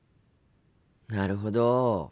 なるほど。